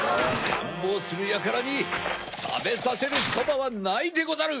らんぼうするやからにたべさせるそばはないでござる。